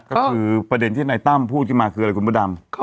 ก็คือประเด็นที่นายตั้มพูดขึ้นมาคืออะไรคุณพระดำ